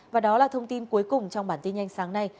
và đó là thông tin cuối cùng trong bản tin nhanh sáng nay